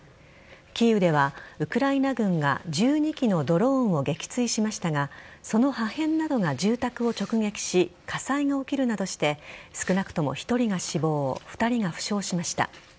キーウではウクライナ軍が１２機のドローンを撃墜しましたがその破片などが住宅を直撃し火災が起きるなどして少なくとも１人が死亡２人が負傷しました。